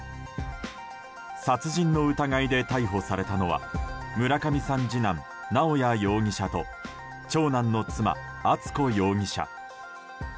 殺人の疑いで逮捕されたのは村上さん次男・直哉容疑者と長男の妻・敦子容疑者。